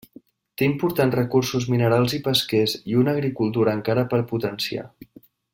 Té importants recursos minerals i pesquers i una agricultura encara per potenciar.